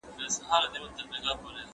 زه اوس بوټونه پاکوم!